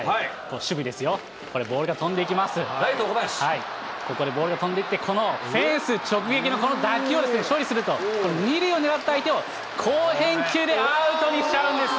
守備ですよ、ボールが飛んでいきライト、ここにボールが飛んでいって、このフェンス直撃のこの打球を処理すると、２塁を狙った相手を好返球でアウトにしちゃうんです。